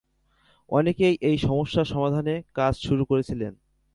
অনেকেই এই সমস্যা সমাধানে কাজ শুরু করেছিলেন।